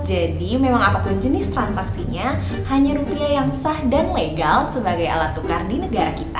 jadi memang apapun jenis transaksinya hanya rupiah yang sah dan legal sebagai alat tukar di negara kita